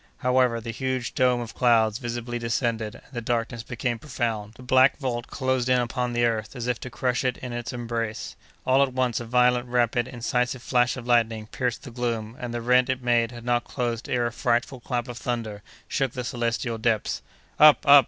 However, the huge dome of clouds visibly descended, and the darkness became profound. The black vault closed in upon the earth as if to crush it in its embrace. All at once a violent, rapid, incisive flash of lightning pierced the gloom, and the rent it made had not closed ere a frightful clap of thunder shook the celestial depths. "Up! up!